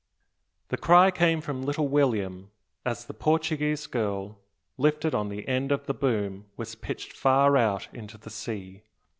The cry came from little William, as the Portuguese girl, lifted on the end of the boom, was pitched far out into the sea.